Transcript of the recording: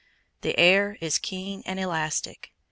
The air is keen and elastic.